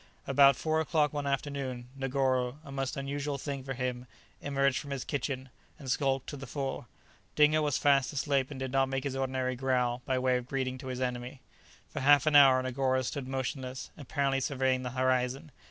About four o'clock one afternoon, Negoro (a most unusual thing for him) emerged from his kitchen, and skulked to the fore. Dingo was fast asleep, and did not make his ordinary growl by way of greeting to his enemy. For half an hour Negoro stood motionless, apparently surveying the horizon.